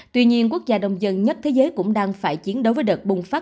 tuy nhiên quốc gia đông dân nhất thế giới cũng đang phải chiến đấu với đợt bùng phát